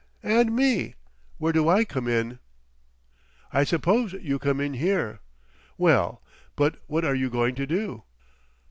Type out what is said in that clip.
"And me? Where do I come in?" "I suppose you come in here." "Well, but what are you going to do?"